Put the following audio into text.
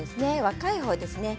若い方ですね。